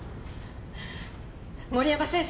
森山先生！